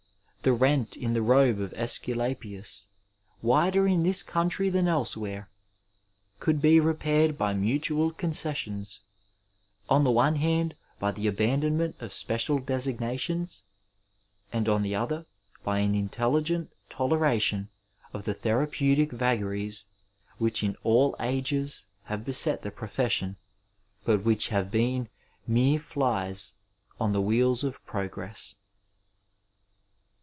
The rent ia the robe of Aesculapius, wider in this country than elsewhere, 466 Digitized by Google UNITY, PEACE, AND CONCORD could be repaired by mutual oonoesaions — on the one hand by the abandonment of special designations, and on the other by an intelligent toleration of therapeutic vagaries which in all ages have beset the profession, but which have been mere flies on the wheels of progress.